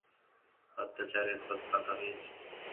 অত্যাচারের পথ পাকা হয়েছে।